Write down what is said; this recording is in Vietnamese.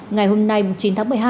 ngày hôm nay chín tháng một mươi hai